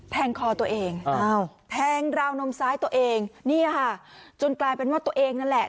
แทงคอตัวเองแพงราวนมสายตัวเองจนกลายเป็นว่าตัวเองนั่นแหละ